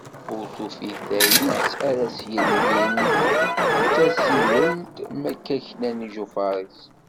Ur tufi tayet ara as-yellin d tasylelt mi aka knan ijufar-is.